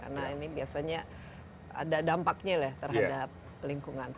karena ini biasanya ada dampaknya lah terhadap lingkungan